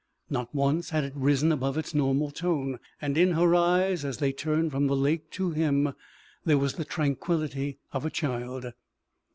Not once had it risen above its normal tone; and in her eyes, as they turned from the lake to him, there was the tranquillity of a child.